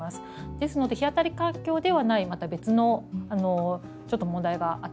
ですので日当たり環境ではないまた別のちょっと問題があったのかなっていう。